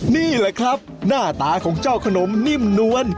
นี่แหละครับหน้าตาของเจ้าขนมนิ่มนวล